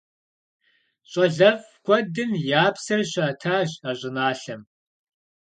ЩӀалэфӀ куэдым я псэр щатащ а щӀыналъэм.